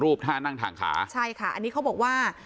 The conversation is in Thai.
ท่านั่งทางขาใช่ค่ะอันนี้เขาบอกว่า